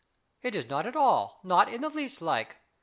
It is not at all, not in the least like.